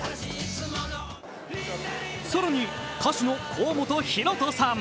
更に、歌手の甲本ヒロトさん。